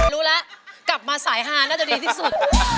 รู้แล้วกลับมาสายฮาน่าจะดีที่สุด